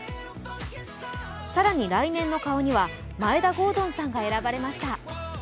更に来年の顔には眞栄田郷敦さんが選ばれました。